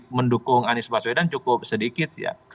mendukung anies baswedan cukup sedikit ya